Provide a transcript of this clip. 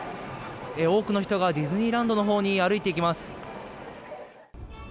多くの人が、ディズニーランドのほうに歩いていきます。